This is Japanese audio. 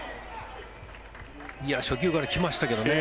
初球から来ましたけどね。